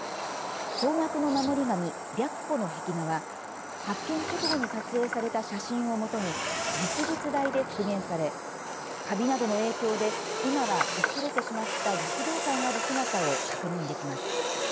方角の守り神、白虎の壁画は発見直後に撮影された写真を基に実物大で復元されかびなどの影響で今は薄れてしまった躍動感ある姿を確認できます。